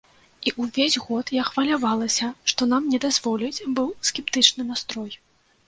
І ўвесь год я хвалявалася, што нам не дазволяць, быў скептычны настрой.